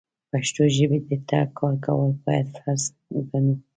پښتو ژبې ته کار کول بايد فرض وګڼو.